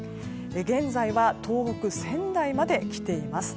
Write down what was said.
現在は東北仙台まで来ています。